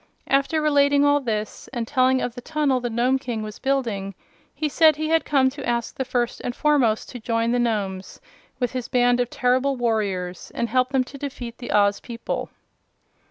After relating all this, and telling of the tunnel the Nome King was building, he said he had come to ask the First and Foremost to join the Nomes, with his band of terrible warriors, and help them to defeat the Oz people.